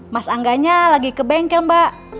mas angganya lagi ke bengkel mbak